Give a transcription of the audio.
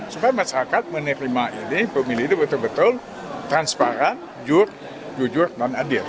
supaya masyarakat menerima ini pemilih itu betul betul transparan jur jujur non adil